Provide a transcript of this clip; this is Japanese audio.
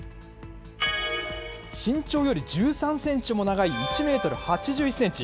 身長より１３センチも長い１メートル８１センチ。